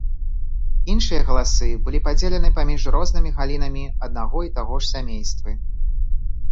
Іншыя галасы былі падзелены паміж рознымі галінамі аднаго і таго ж сямействы.